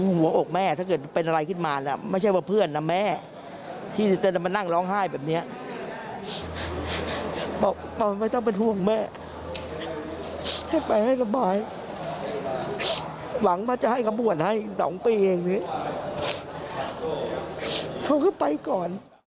หวังแม่จะเป็นไฟค่นให้อีก๒ปีแต่ก็ไปก่อน